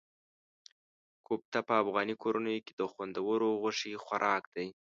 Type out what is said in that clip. کوفته په افغاني کورنیو کې د خوندورو غوښې خوراک دی.